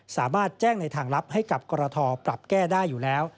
สามารถแจ้งในทางลับให้กับกรทปรับแก้ได้อยู่แล้ว